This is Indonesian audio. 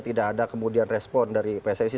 tidak ada kemudian respon dari pssi